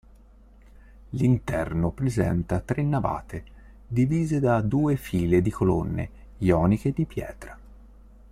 L'interno presenta tre navate divise da due file di colonne ioniche di pietra.